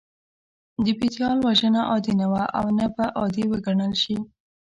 د پتيال وژنه عادي نه وه او نه به عادي وګڼل شي.